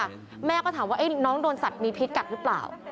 แม่ก็ถามว่าน้องโดนสัตว์มีพิษกัดหรือเปล่า